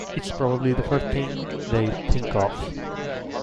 It's probably the first thing they'll think of.